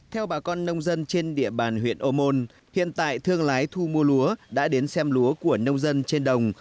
theo bà con nông dân trên địa bàn huyện ô môn hiện tại thương lái thu mua lúa đã đến xem lúa của nông dân trên đồng